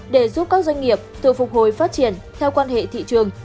để giúp các doanh nghiệp tự phục hồi phát triển theo quan hệ thị trường